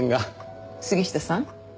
杉下さん